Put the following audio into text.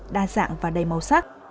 đa dạng và đầy màu sắc